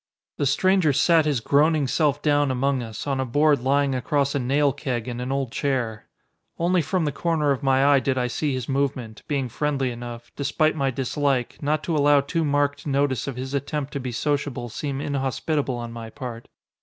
The stranger sat his groaning self down among us, on a board lying across a nail keg and an old chair. Only from the corner of my eye did I see his movement, being friendly enough, despite my dislike, not to allow too marked notice of his attempt to be sociable seem inhospitable on my part.